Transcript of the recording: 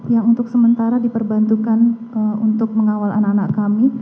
yang untuk sementara diperbantukan untuk mengawal anak anak kami